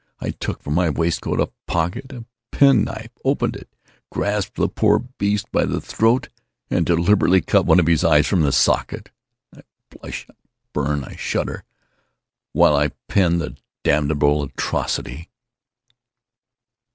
I took from my waistcoat pocket a pen knife, opened it, grasped the poor beast by the throat, and deliberately cut one of its eyes from the socket! I blush, I burn, I shudder, while I pen the damnable atrocity.